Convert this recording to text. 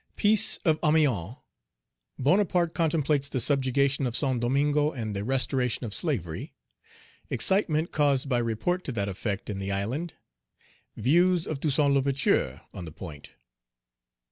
Peace of Amiens Bonaparte contemplates the subjugation of Saint Domingo, and the restoration of slavery Excitement caused by report to that effect in the island Views of Toussaint L'Ouverture on the point.